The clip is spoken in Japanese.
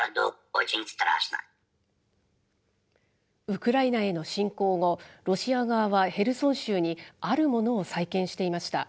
ウクライナへの侵攻後、ロシア側はヘルソン州に、あるものを再建していました。